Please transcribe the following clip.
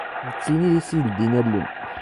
D tin i as-yeldin allen.